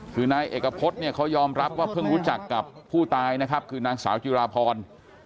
คือนายเอกพฤษเนี่ยเขายอมรับว่าเพิ่งรู้จักกับผู้ตายนะครับคือนางสาวจิราพร